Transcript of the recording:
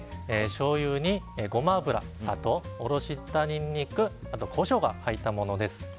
しょうゆにごま油、砂糖おろしたにんにくあとコショウが入ったものです。